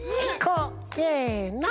せの！